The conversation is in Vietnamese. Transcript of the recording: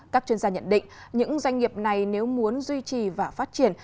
các chuyên gia nhận định những doanh nghiệp này nếu muốn duy trì và phát triển